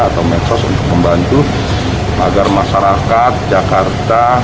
atau medsos untuk membantu agar masyarakat jakarta